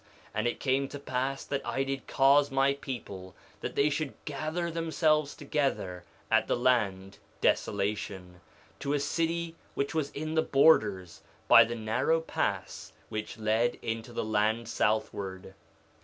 3:5 And it came to pass that I did cause my people that they should gather themselves together at the land Desolation, to a city which was in the borders, by the narrow pass which led into the land southward.